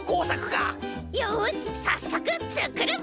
よしさっそくつくるぞ！